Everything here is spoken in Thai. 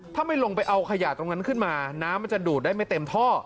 ถ้าไม่ลงไปเอาขยะตรงนั้นขึ้นมาน้ำมันจะดูดได้ไม่เต็มท่อ